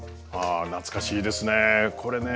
あ懐かしいですね。